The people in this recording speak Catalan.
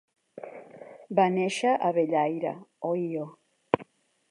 Va néixer a Bellaire, Ohio.